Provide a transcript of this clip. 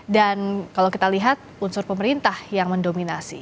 dan kalau kita lihat unsur pemerintah yang mendominasi